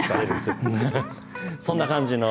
そんな感じの。